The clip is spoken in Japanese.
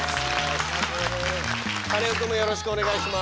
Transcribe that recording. カネオくんもよろしくお願いします。